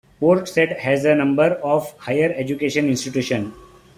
Port Said has a number of higher education institutions.